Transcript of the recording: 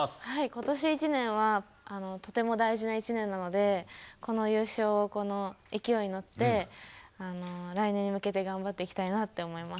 ことし一年は、とても大事な一年なので、この優勝をこの勢いに乗って、来年に向けて頑張っていきたいなって思います。